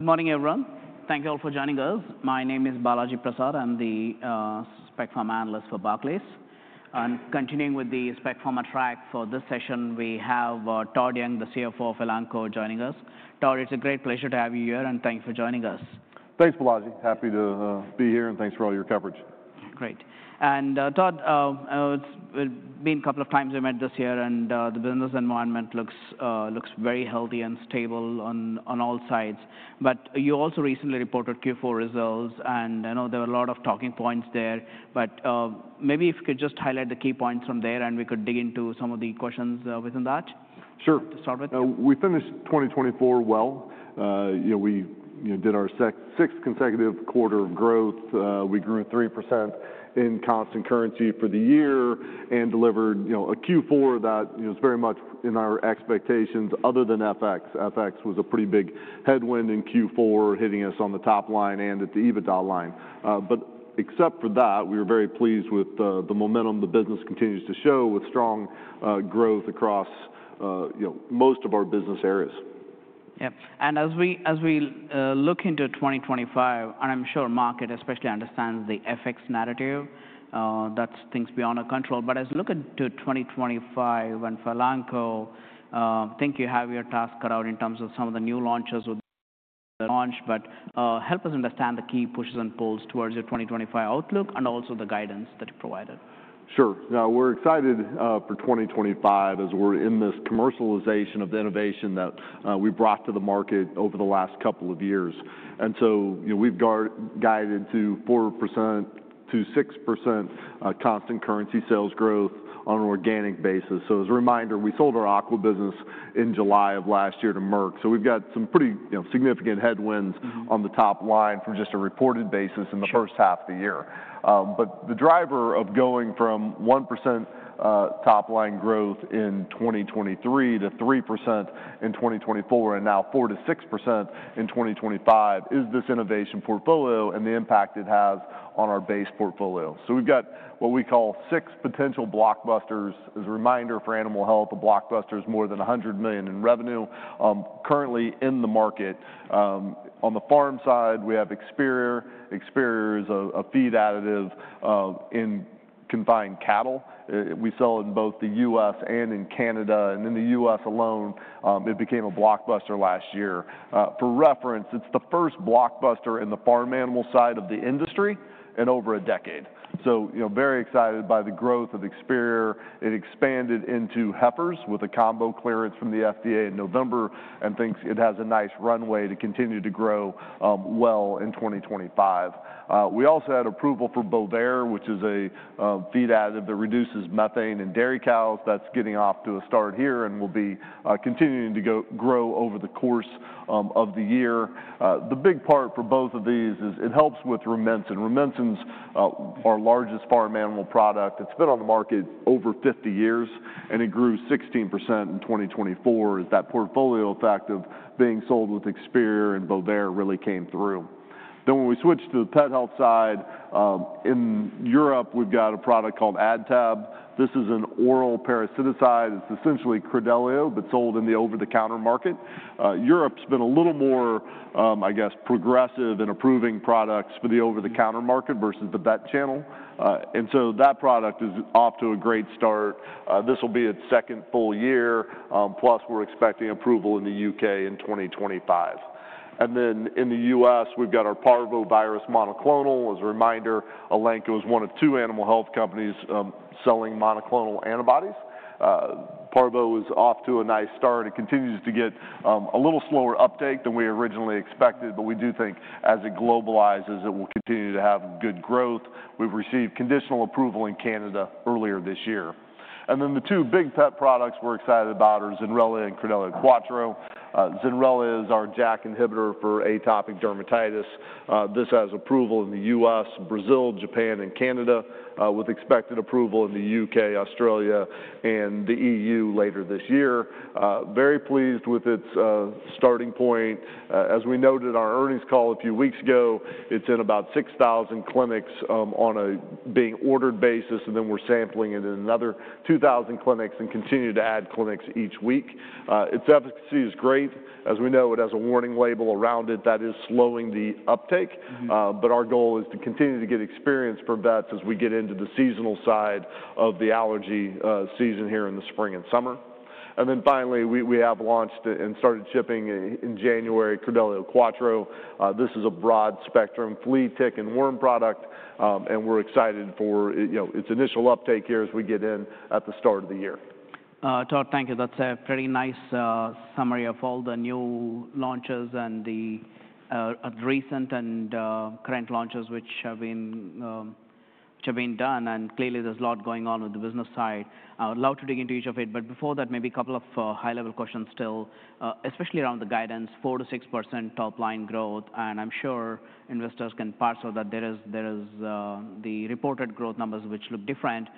Good morning, everyone. Thank you all for joining us. My name is Balaji Prasad. I'm the spec pharma analyst for Barclays. Continuing with the spec pharma track for this session, we have Todd Young, the CFO of Elanco, joining us. Todd, it's a great pleasure to have you here, and thanks for joining us. Thanks, Balaji. Happy to be here, and thanks for all your coverage. Great. Todd, it's been a couple of times we met this year, and the business environment looks very healthy and stable on all sides. You also recently reported Q4 results, and I know there were a lot of talking points there. Maybe if you could just highlight the key points from there, and we could dig into some of the questions within that. Sure. We finished 2024 well. We did our sixth consecutive quarter of growth. We grew at 3% in constant currency for the year and delivered a Q4 that was very much in our expectations other than FX. FX was a pretty big headwind in Q4, hitting us on the top line and at the EBITDA line. Except for that, we were very pleased with the momentum the business continues to show, with strong growth across most of our business areas. Yep. As we look into 2025, and I'm sure the market especially understands the FX narrative, that's things beyond our control. As we look into 2025 and for Elanco, I think you have your task cut out in terms of some of the new launches. Help us understand the key pushes and pulls towards your 2025 outlook and also the guidance that you provided. Sure. Now, we're excited for 2025 as we're in this commercialization of the innovation that we brought to the market over the last couple of years. We've guided to 4%-6% constant currency sales growth on an organic basis. As a reminder, we sold our Aqua business in July of last year to Merck. We've got some pretty significant headwinds on the top line from just a reported basis in the first half of the year. The driver of going from 1% top line growth in 2023 to 3% in 2024, and now 4%-6% in 2025, is this innovation portfolio and the impact it has on our base portfolio. We've got what we call six potential blockbusters. As a reminder for animal health, a blockbuster is more than $100 million in revenue currently in the market. On the farm side, we have Experior. Experior is a feed additive in confined cattle. We sell it in both the U.S. and in Canada. In the U.S. alone, it became a blockbuster last year. For reference, it's the first blockbuster in the farm animal side of the industry in over a decade. Very excited by the growth of Experior. It expanded into heifers with a combo clearance from the FDA in November and thinks it has a nice runway to continue to grow well in 2025. We also had approval for Bovaer, which is a feed additive that reduces methane in dairy cows. That's getting off to a start here and will be continuing to grow over the course of the year. The big part for both of these is it helps with Rumensin. Rumensin's our largest farm animal product. It's been on the market over 50 years, and it grew 16% in 2024. That portfolio effect of being sold with Experior and Bovaer really came through. When we switched to the pet health side, in Europe, we've got a product called AdTab. This is an oral parasiticide. It's essentially Credelio, but sold in the over-the-counter market. Europe's been a little more, I guess, progressive in approving products for the over-the-counter market versus the vet channel. That product has off to a great start. This will be its second full year. Plus, we're expecting approval in the U.K. in 2025. In the U.S., we've got our Parvovirus Monoclonal. As a reminder, Elanco is one of two animal health companies selling monoclonal antibodies. Parvo is off to a nice start. It continues to get a little slower uptake than we originally expected, but we do think as it globalizes, it will continue to have good growth. We've received conditional approval in Canada earlier this year. The two big pet products we're excited about are Zenrelia and Credelio Quattro. Zenrelia is our JAK inhibitor for atopic dermatitis. This has approval in the U.S., Brazil, Japan, and Canada, with expected approval in the U.K., Australia, and the EU later this year. Very pleased with its starting point. As we noted in our earnings call a few weeks ago, it's in about 6000 clinics on a being ordered basis, and we're sampling it in another 2000 clinics and continue to add clinics each week. Its efficacy is great. As we know, it has a warning label around it that is slowing the uptake. Our goal is to continue to get experience for vets as we get into the seasonal side of the allergy season here in the spring and summer. Finally, we have launched and started shipping in January Credelio Quattro. This is a broad-spectrum flea, tick, and worm product, and we're excited for its initial uptake here as we get in at the start of the year. Todd, thank you. That's a pretty nice summary of all the new launches and the recent and current launches which have been done. Clearly, there's a lot going on with the business side. I would love to dig into each of it. Before that, maybe a couple of high-level questions still, especially around the guidance, 4%-6% top line growth. I'm sure investors can parse out that there is the reported growth numbers which look different.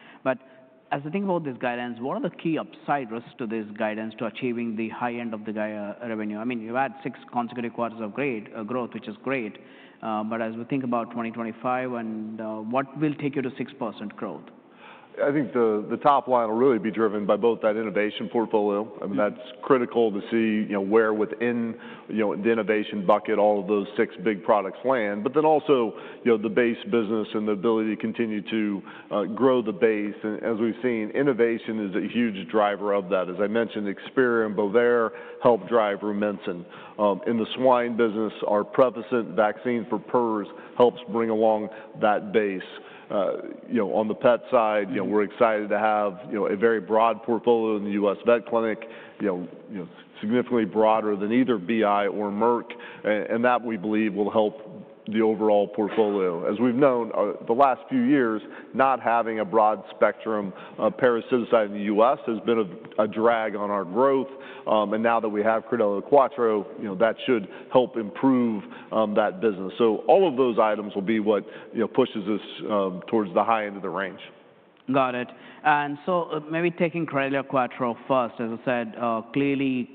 As I think about this guidance, what are the key upside risks to this guidance to achieving the high end of the revenue? I mean, you've had six consecutive quarters of great growth, which is great. As we think about 2025, what will take you to 6% growth? I think the top line will really be driven by both that innovation portfolio. I mean, that's critical to see where within the innovation bucket all of those six big products land. That also includes the base business and the ability to continue to grow the base. As we've seen, innovation is a huge driver of that. As I mentioned, Experior and Bovaer help drive Rumensin. In the swine business, our Prevacent vaccine for PRRS helps bring along that base. On the pet side, we're excited to have a very broad portfolio in the U.S. vet clinic, significantly broader than either Boehringer Ingelheim or Merck. That, we believe, will help the overall portfolio. As we've known the last few years, not having a broad spectrum of parasiticide in the U.S. has been a drag on our growth. Now that we have Credelio Quattro, that should help improve that business. All of those items will be what pushes us towards the high end of the range. Got it. Maybe taking Credelio Quattro first, as I said, clearly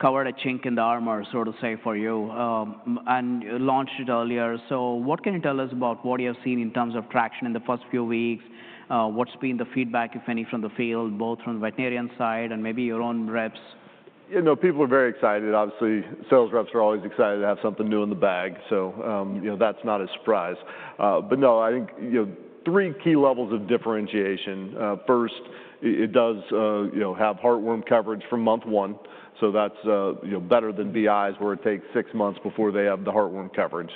covered a chink in the armor, so to say, for you, and launched it earlier. What can you tell us about what you have seen in terms of traction in the first few weeks? What's been the feedback, if any, from the field, both from the veterinarian side and maybe your own reps? People are very excited. Obviously, sales reps are always excited to have something new in the bag. That's not a surprise. I think three key levels of differentiation. First, it does have heartworm coverage from month one. That's better than BI's, where it takes six months before they have the heartworm coverage.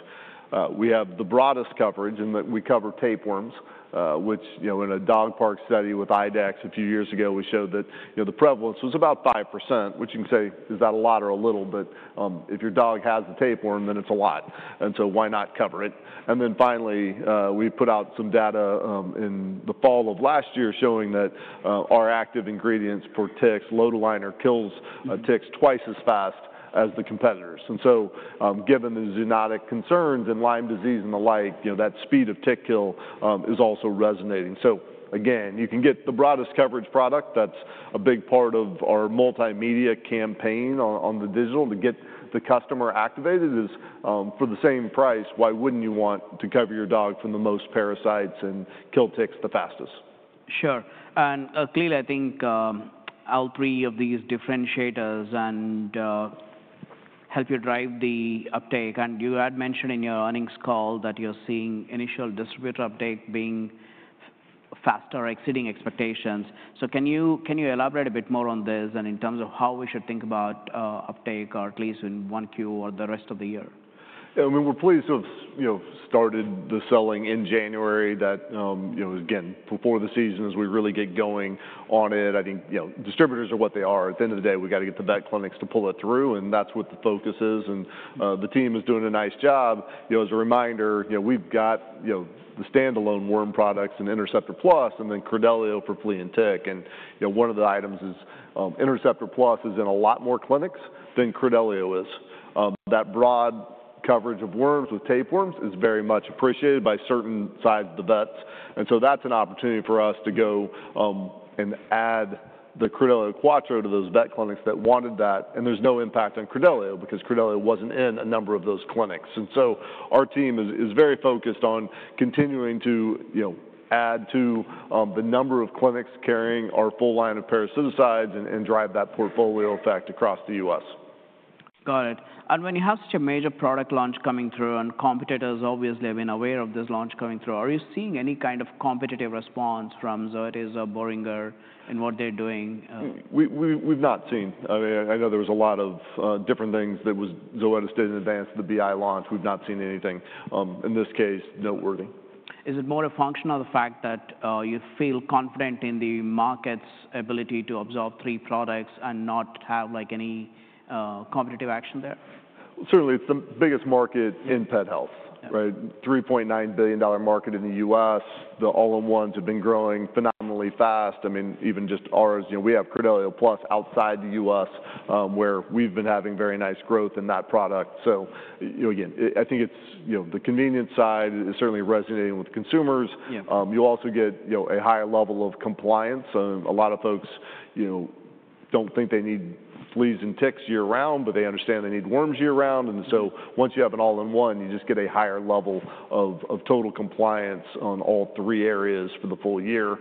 We have the broadest coverage, and we cover tapeworms, which in a dog park study with IDEXX a few years ago, we showed that the prevalence was about 5%, which you can say, is that a lot or a little? If your dog has a tapeworm, then it's a lot. Why not cover it? Finally, we put out some data in the fall of last year showing that our active ingredients for ticks, lotilaner, kills ticks twice as fast as the competitors. Given the zoonotic concerns and Lyme disease and the like, that speed of tick kill is also resonating. You can get the broadest coverage product. That's a big part of our multimedia campaign on the digital to get the customer activated. For the same price, why wouldn't you want to cover your dog from the most parasites and kill ticks the fastest? Sure. I think all three of these differentiators help you drive the uptake. You had mentioned in your earnings call that you're seeing initial distributor uptake being faster or exceeding expectations. Can you elaborate a bit more on this and in terms of how we should think about uptake, or at least in Q1 or the rest of the year? I mean, we're pleased to have started the selling in January. Again, before the season as we really get going on it, I think distributors are what they are. At the end of the day, we've got to get the vet clinics to pull it through, and that's what the focus is. The team is doing a nice job. As a reminder, we've got the standalone worm products and Interceptor Plus, and then Credelio for flea and tick. One of the items is Interceptor Plus is in a lot more clinics than Credelio is. That broad coverage of worms with tapeworms is very much appreciated by certain sides of the vets. That is an opportunity for us to go and add the Credelio Quattro to those vet clinics that wanted that. There is no impact on Credelio because Credelio wasn't in a number of those clinics. Our team is very focused on continuing to add to the number of clinics carrying our full line of parasiticides and drive that portfolio effect across the US. Got it. When you have such a major product launch coming through, and competitors obviously have been aware of this launch coming through, are you seeing any kind of competitive response from Zoetis, Boehringer, in what they're doing? We've not seen. I mean, I know there was a lot of different things that Zoetis did in advance of the BI launch. We've not seen anything in this case noteworthy. Is it more a function of the fact that you feel confident in the market's ability to absorb three products and not have any competitive action there? Certainly, it's the biggest market in pet health, right? $3.9 billion market in the US. The all-in-ones have been growing phenomenally fast. I mean, even just ours, we have Credelio Plus outside the US, where we've been having very nice growth in that product. Again, I think it's the convenience side is certainly resonating with consumers. You also get a higher level of compliance. A lot of folks don't think they need fleas and ticks year-round, but they understand they need worms year-round. Once you have an all-in-one, you just get a higher level of total compliance on all three areas for the full year.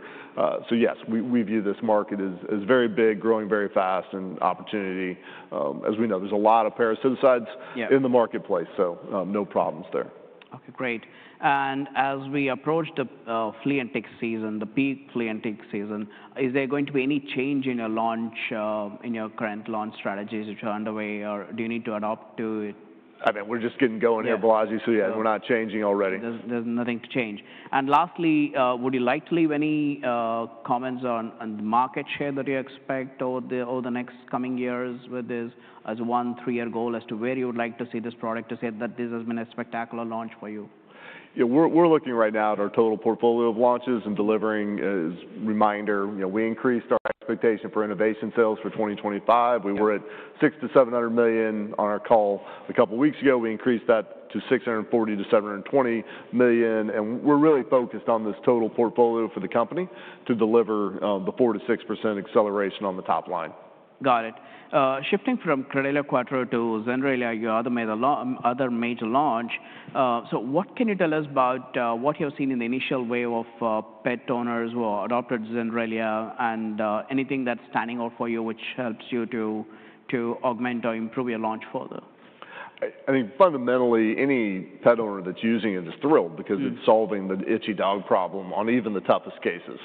Yes, we view this market as very big, growing very fast, and opportunity. As we know, there's a lot of parasiticides in the marketplace, so no problems there. Okay, great. As we approach the flea and tick season, the peak flea and tick season, is there going to be any change in your launch, in your current launch strategies which are underway, or do you need to adapt to it? I mean, we're just getting going here, Balaji. Yeah, we're not changing already. There's nothing to change. Lastly, would you like to leave any comments on the market share that you expect over the next coming years with this as a one-three-year goal as to where you would like to see this product, to say that this has been a spectacular launch for you? Yeah, we're looking right now at our total portfolio of launches and delivering. As a reminder, we increased our expectation for innovation sales for 2025. We were at $600 million-$700 million on our call a couple of weeks ago. We increased that to $640 million-$720 million. We are really focused on this total portfolio for the company to deliver the 4%-6% acceleration on the top line. Got it. Shifting from Credelio Quattro to Zenrelia, you had made a lot of other major launches. What can you tell us about what you have seen in the initial wave of pet owners who adopted Zenrelia and anything that's standing out for you which helps you to augment or improve your launch further? I think fundamentally, any pet owner that's using it is thrilled because it's solving the itchy dog problem on even the toughest cases.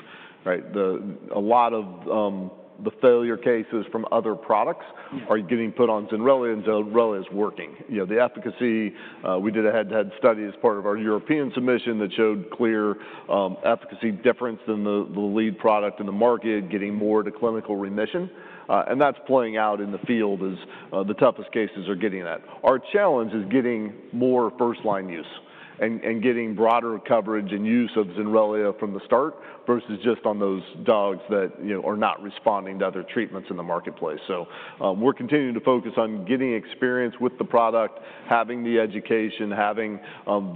A lot of the failure cases from other products are getting put on Zenrelia, and Zenrelia is working. The efficacy, we did a head-to-head study as part of our European submission that showed clear efficacy difference than the lead product in the market, getting more to clinical remission. That is playing out in the field as the toughest cases are getting that. Our challenge is getting more first-line use and getting broader coverage and use of Zenrelia from the start versus just on those dogs that are not responding to other treatments in the marketplace. We're continuing to focus on getting experience with the product, having the education, having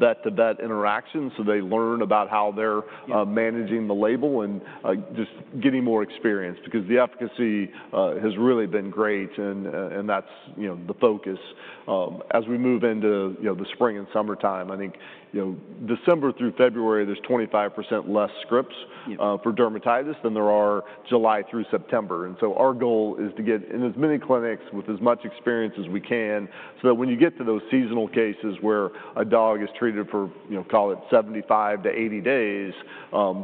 vet-to-vet interactions so they learn about how they're managing the label and just getting more experience because the efficacy has really been great, and that's the focus. As we move into the spring and summertime, I think December through February, there's 25% less scripts for dermatitis than there are July through September. Our goal is to get in as many clinics with as much experience as we can so that when you get to those seasonal cases where a dog is treated for, call it 75-80 days,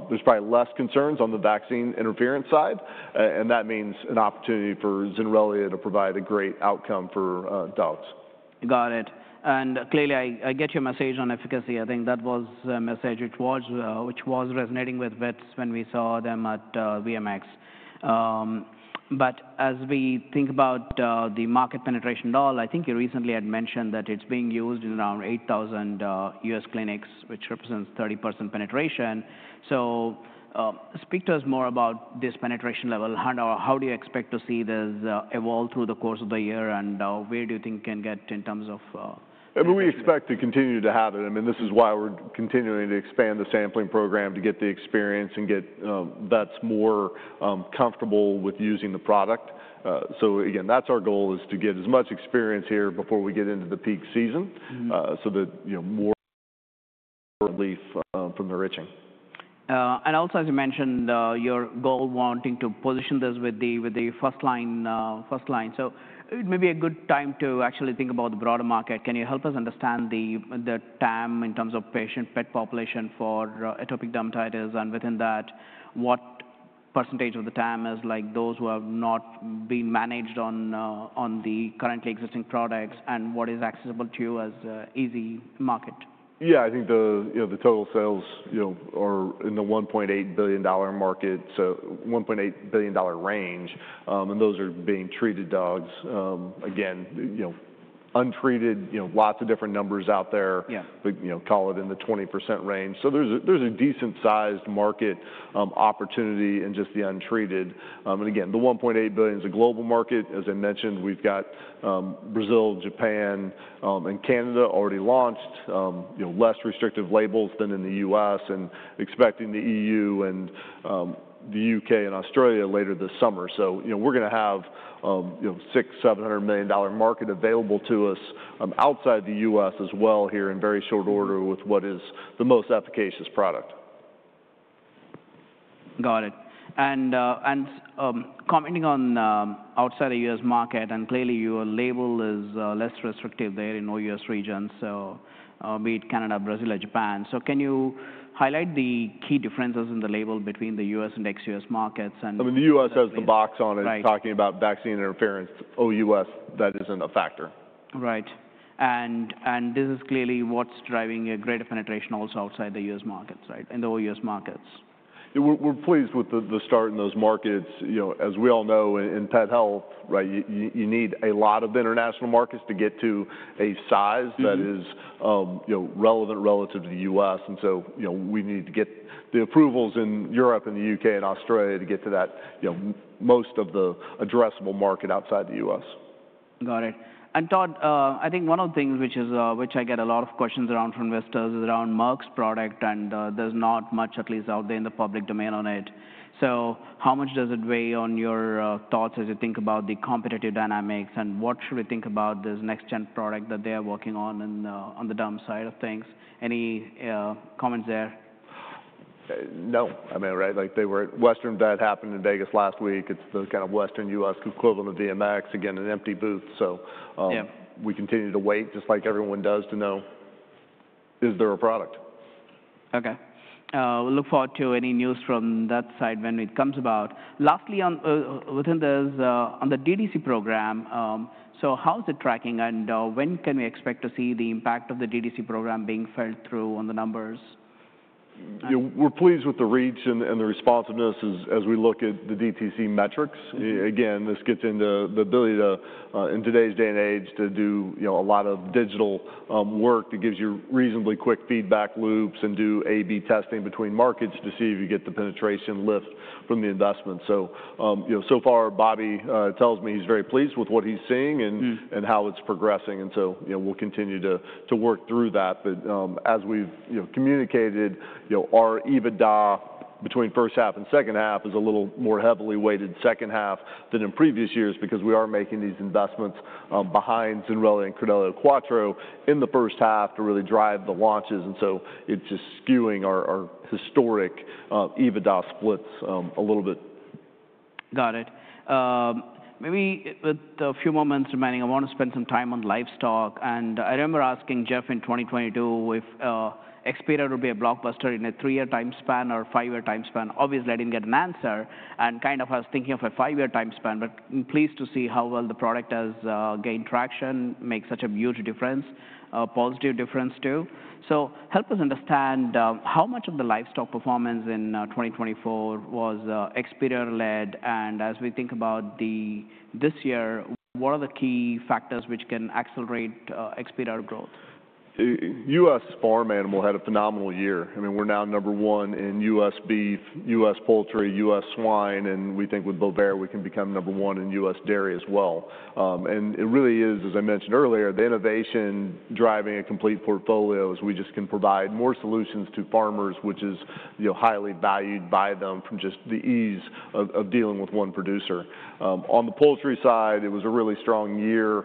there's probably less concerns on the vaccine interference side. That means an opportunity for Zenrelia to provide a great outcome for dogs. Got it. Clearly, I get your message on efficacy. I think that was a message which was resonating with vets when we saw them at VMX. As we think about the market penetration at all, I think you recently had mentioned that it's being used in around 8000 U.S. clinics, which represents 30% penetration. Speak to us more about this penetration level. How do you expect to see this evolve through the course of the year, and where do you think you can get in terms of? I mean, we expect to continue to have it. I mean, this is why we're continuing to expand the sampling program to get the experience and get vets more comfortable with using the product. Again, that's our goal, is to get as much experience here before we get into the peak season so that more relief from the itching. Also, as you mentioned, your goal wanting to position this with the first line. It may be a good time to actually think about the broader market. Can you help us understand the TAM in terms of patient pet population for atopic dermatitis? And within that, what percentage of the TAM is like those who have not been managed on the currently existing products, and what is accessible to you as an easy market? Yeah, I think the total sales are in the $1.8 billion market, so $1.8 billion range. Those are being treated dogs. Again, untreated, lots of different numbers out there, but call it in the 20% range. There is a decent-sized market opportunity in just the untreated. The $1.8 billion is a global market. As I mentioned, we have Brazil, Japan, and Canada already launched, less restrictive labels than in the U.S., and expecting the EU and the U.K. and Australia later this summer. We are going to have a $600 million-$700 million market available to us outside the U.S. as well here in very short order with what is the most efficacious product. Got it. Commenting on outside the U.S. market, and clearly your label is less restrictive there in all U.S. regions, so be it Canada, Brazil, or Japan. Can you highlight the key differences in the label between the U.S. and ex-U.S. markets? I mean, the U.S. has the box on it talking about vaccine interference. OUS, that isn't a factor. Right. This is clearly what's driving a greater penetration also outside the U.S. markets, right, in the all-U.S. markets. We're pleased with the start in those markets. As we all know, in pet health, you need a lot of international markets to get to a size that is relevant relative to the U.S. We need to get the approvals in Europe and the U.K. and Australia to get to most of the addressable market outside the U.S. Got it. Todd, I think one of the things which I get a lot of questions around from investors is around Merck's product, and there's not much, at least out there in the public domain on it. How much does it weigh on your thoughts as you think about the competitive dynamics, and what should we think about this next-gen product that they are working on on the Derm side of things? Any comments there? No. I mean, right, like they were at Western Vet, happened in Las Vegas last week. It's the kind of Western U.S. equivalent of VMX, again, an empty booth. Yeah We continue to wait, just like everyone does, to know, is there a product? Okay. We'll look forward to any news from that side when it comes about. Lastly, within this, on the DTC program, how is it tracking, and when can we expect to see the impact of the DTC program being fed through on the numbers? We're pleased with the reach and the responsiveness as we look at the DTC metrics. Again, this gets into the ability to, in today's day and age, to do a lot of digital work that gives you reasonably quick feedback loops and do A/B testing between markets to see if you get the penetration lift from the investment. So far, Bobby tells me he's very pleased with what he's seeing and how it's progressing. We'll continue to work through that. As we've communicated, our EBITDA between first half and second half is a little more heavily weighted second half than in previous years because we are making these investments behind Zenrelia and Credelio Quattro in the first half to really drive the launches. It's just skewing our historic EBITDA splits a little bit. Got it. Maybe with a few moments remaining, I want to spend some time on livestock. I remember asking Jeff in 2022 if Experior would be a blockbuster in a three-year time span or five-year time span. Obviously, I did not get an answer. I was thinking of a five-year time span, but pleased to see how well the product has gained traction, makes such a huge difference, a positive difference too. Help us understand how much of the livestock performance in 2024 was Experior-led. As we think about this year, what are the key factors which can accelerate Experior growth? U.S. farm animal had a phenomenal year. I mean, we're now number one in U.S. beef, U.S. poultry, U.S. swine, and we think with Bovaer, we can become number one in U.S. dairy as well. It really is, as I mentioned earlier, the innovation driving a complete portfolio as we just can provide more solutions to farmers, which is highly valued by them from just the ease of dealing with one producer. On the poultry side, it was a really strong year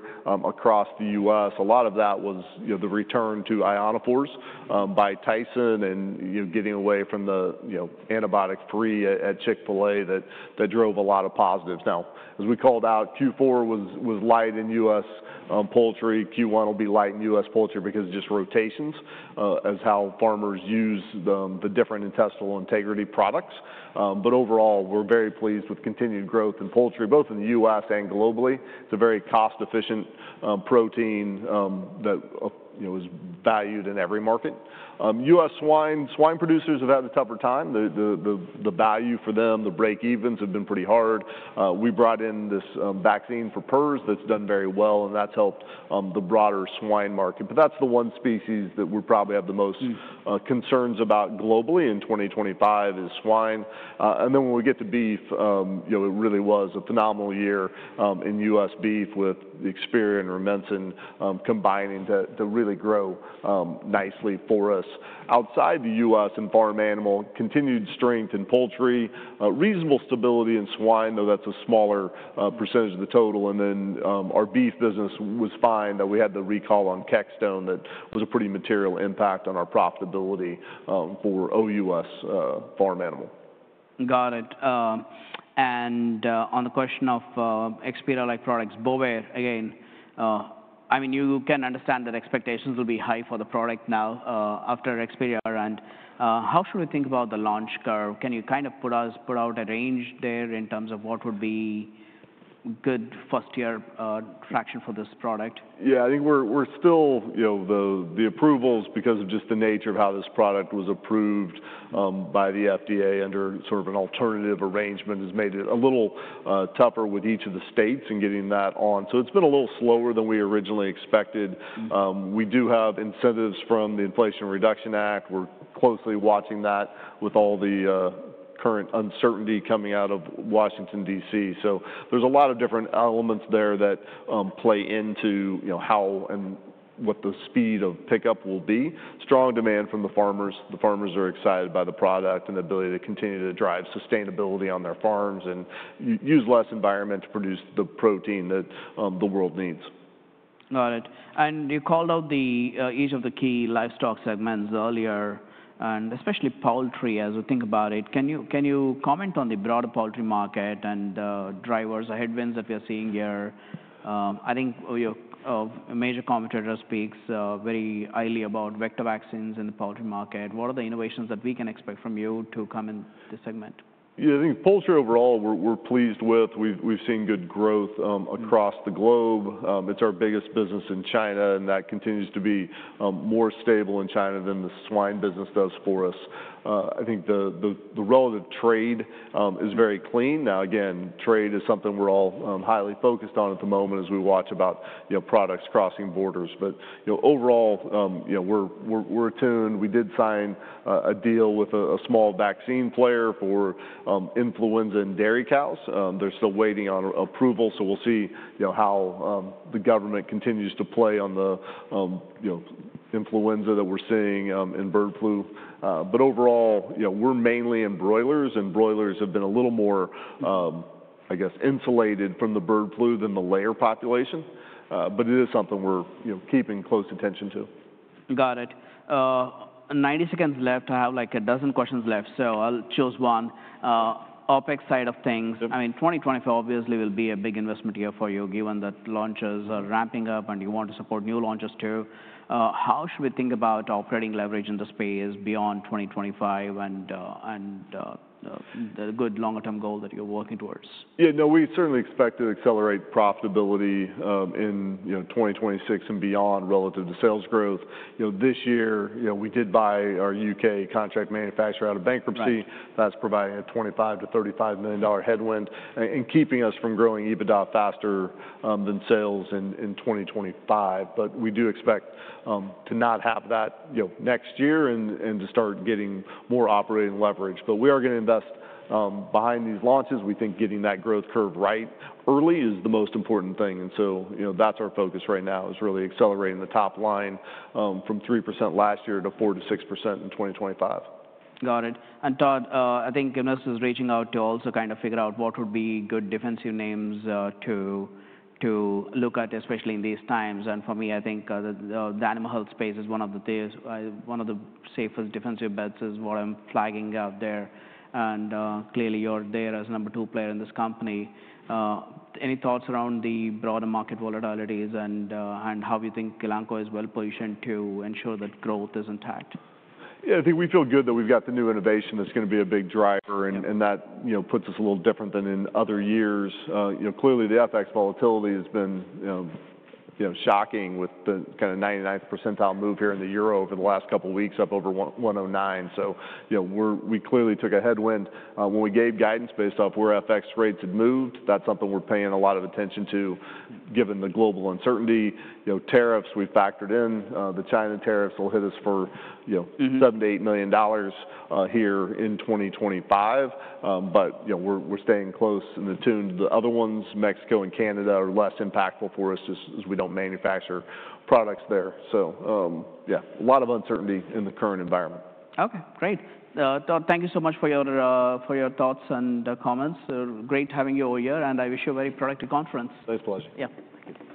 across the US. A lot of that was the return to ionophores by Tyson and getting away from the antibiotic-free at Chick-fil-A that drove a lot of positives. Now, as we called out, Q4 was light in U.S. poultry. Q1 will be light in U.S. poultry because of just rotations as how farmers use the different intestinal integrity products. Overall, we're very pleased with continued growth in poultry, both in the U.S. and globally. It's a very cost-efficient protein that is valued in every market. U.S. swine, swine producers have had a tougher time. The value for them, the break-evens have been pretty hard. We brought in this vaccine for PRRS that's done very well, and that's helped the broader swine market. That's the one species that we probably have the most concerns about globally in 2025 is swine. When we get to beef, it really was a phenomenal year in U.S. beef with Experior and Rumensin combining to really grow nicely for us. Outside the U.S. and farm animal, continued strength in poultry, reasonable stability in swine, though that's a smaller percentage of the total. Our beef business was fine that we had the recall on Kexxtone. That was a pretty material impact on our profitability for OUS farm animal. Got it. On the question of Experior-like products, Bovaer, again, I mean, you can understand that expectations will be high for the product now after Experior. How should we think about the launch curve? Can you kind of put out a range there in terms of what would be good first-year traction for this product? Yeah, I think we're still, the approvals, because of just the nature of how this product was approved by the FDA under sort of an alternative arrangement, has made it a little tougher with each of the states in getting that on. It has been a little slower than we originally expected. We do have incentives from the Inflation Reduction Act. We're closely watching that with all the current uncertainty coming out of Washington, DC. There are a lot of different elements there that play into how and what the speed of pickup will be. Strong demand from the farmers. The farmers are excited by the product and the ability to continue to drive sustainability on their farms and use less environment to produce the protein that the world needs. Got it. You called out each of the key livestock segments earlier, and especially poultry as we think about it. Can you comment on the broader poultry market and drivers, headwinds that we are seeing here? I think a major competitor speaks very highly about vector vaccines in the poultry market. What are the innovations that we can expect from you to come in this segment? Yeah, I think poultry overall, we're pleased with. We've seen good growth across the globe. It's our biggest business in China, and that continues to be more stable in China than the swine business does for us. I think the relative trade is very clean. Now, again, trade is something we're all highly focused on at the moment as we watch about products crossing borders. Overall, we're attuned. We did sign a deal with a small vaccine player for influenza in dairy cows. They're still waiting on approval, so we'll see how the government continues to play on the influenza that we're seeing in bird flu. Overall, we're mainly in broilers, and broilers have been a little more, I guess, insulated from the bird flu than the layer population. It is something we're keeping close attention to. Got it. Ninety seconds left. I have like a dozen questions left, so I'll choose one. OPEX side of things, I mean, 2024 obviously will be a big investment year for you given that launches are ramping up and you want to support new launches too. How should we think about operating leverage in the space beyond 2025 and the good longer-term goal that you're working towards? Yeah, no, we certainly expect to accelerate profitability in 2026 and beyond relative to sales growth. This year, we did buy our U.K. contract manufacturer out of bankruptcy. That's providing a $25-$35 million headwind and keeping us from growing EBITDA faster than sales in 2025. We do expect to not have that next year and to start getting more operating leverage. We are going to invest behind these launches. We think getting that growth curve right early is the most important thing. That is our focus right now, really accelerating the top line from 3% last year to 4%-6% in 2025. Got it. Todd, I think Generalists is reaching out to also kind of figure out what would be good defensive names to look at, especially in these times. For me, I think the animal health space is one of the safest defensive bets is what I'm flagging out there. Clearly, you're there as a number two player in this company. Any thoughts around the broader market volatilities and how you think Elanco is well-positioned to ensure that growth is intact? Yeah, I think we feel good that we've got the new innovation that's going to be a big driver, and that puts us a little different than in other years. Clearly, the FX volatility has been shocking with the kind of 99th percentile move here in the euro over the last couple of weeks, up over 1.09. We clearly took a headwind. When we gave guidance based off where FX rates had moved, that's something we're paying a lot of attention to given the global uncertainty. Tariffs, we factored in. The China tariffs will hit us for $7 million-$8 million here in 2025. We are staying close and attuned to the other ones. Mexico and Canada are less impactful for us as we do not manufacture products there. Yeah, a lot of uncertainty in the current environment. Okay, great. Todd, thank you so much for your thoughts and comments. Great having you all here, and I wish you a very productive conference. It's a pleasure. Yeah.